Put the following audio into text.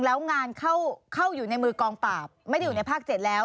แล้วงานเข้าอยู่ในมือกองปราบไม่ได้อยู่ในภาค๗แล้ว